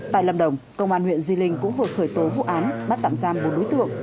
tại lâm đồng công an huyện di linh cũng vừa khởi tố vụ án bắt tạm giam bốn đối tượng